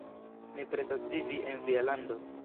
Mi pretas vivi en via lando!